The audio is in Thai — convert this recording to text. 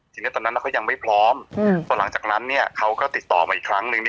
ทีนี้ตอนนั้นเขายังไม่พร้อมพอหลังจากนั้นเนี่ยเขาก็ติดต่อมาอีกครั้งนึง